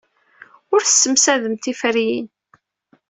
Ur tessemsademt tiferyin.